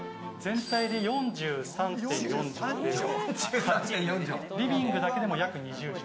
全体で４３．４帖でリビングだけでも約２０帖。